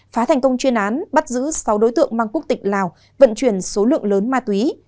phá thành công chuyên án bắt giữ sáu đối tượng mang quốc tịch lào vận chuyển số lượng lớn ma túy